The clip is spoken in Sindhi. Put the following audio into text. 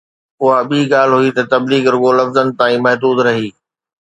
اها ٻي ڳالهه هئي ته تبليغ رڳو لفظن تائين محدود رهي.